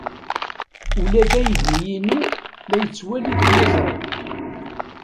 Ula d aydi-inu la yettwali tiliẓri.